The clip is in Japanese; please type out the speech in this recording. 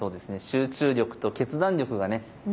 集中力と決断力がね